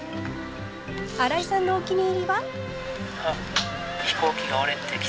新井さんのお気に入りは？